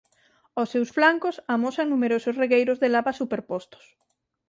Os seus flancos amosan numerosos regueiros de lava superpostos.